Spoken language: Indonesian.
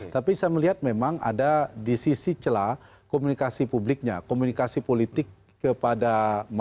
tapi saya melihat memang ada di sisi celah komunikasi publiknya komunikasi politik kepada masyarakat